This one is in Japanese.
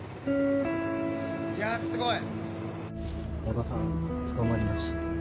いやすごい。